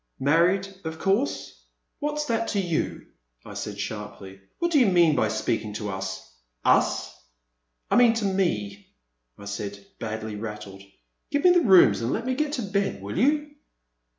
'Married, of course ?"•* What ' s that to you ?" I said sharply, what do you mean by speaking to us —" Us!" I mean to me," I said, badly rattled ;give me the rooms and let me get to bed, will you